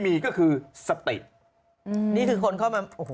นี่คือคนเข้ามา